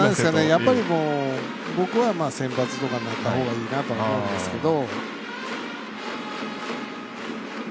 やっぱり、僕は先発とかになった方がいいと思うんですけど。